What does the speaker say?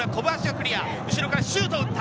後ろからシュートを打った！